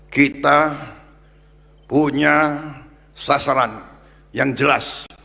kita punya sasaran yang jelas